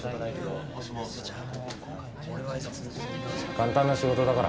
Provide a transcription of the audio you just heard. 簡単な仕事だから。